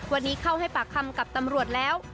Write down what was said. วันนี้เข้าให้ปากคำกับตำรวจแล้ว